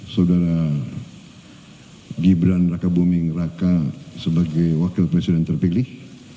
saudara gibran raka buming raka sebagai wakil presiden terpilih